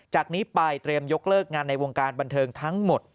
จากนี้ไปเตรียมยกเลิกงานในวงการบันเทิงทั้งหมด